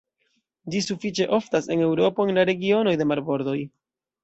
Ĝi sufiĉe oftas en Eŭropo en la regionoj de marbordoj.